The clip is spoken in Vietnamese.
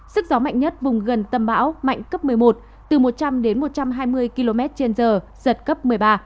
sức gió mạnh nhất vùng gần tâm bão mạnh cấp một mươi một từ một trăm linh đến một trăm hai mươi km trên giờ giật cấp một mươi ba